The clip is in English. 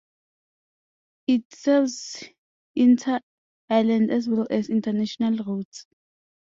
It serves inter-island as well as international routes.